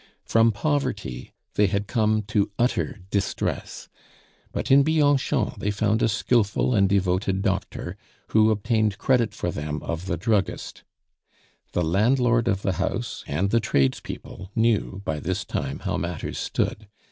From poverty they had come to utter distress; but in Bianchon they found a skilful and devoted doctor, who obtained credit for them of the druggist. The landlord of the house and the tradespeople knew by this time how matters stood.